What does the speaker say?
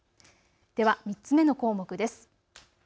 では３つ目の項目です。